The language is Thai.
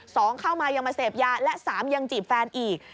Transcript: เข้ามายังมาเสพยาและสามยังจีบแฟนอีก